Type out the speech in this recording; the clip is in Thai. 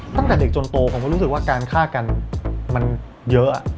ตั้งแต่เด็กจนโตผมก็รู้สึกว่าการฆ่ากันมันเยอะ